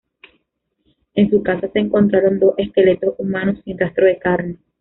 En su casa se encontraron dos esqueletos humanos, sin rastro de carne.